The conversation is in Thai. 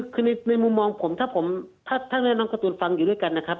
คือในมุมมองผมถ้าผมถ้าแม่น้องการ์ตูนฟังอยู่ด้วยกันนะครับ